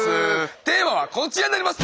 テーマはこちらになります。